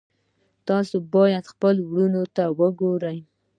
تاسو باید خپلو وروڼو ته وګورئ.